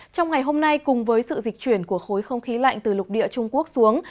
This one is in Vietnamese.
trong ngày hôm nay cùng với sự dịch chuyển của khối không khí lạnh từ lục địa trung quốc xuống